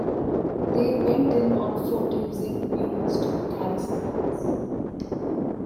They went in on foot using mules to carry supplies.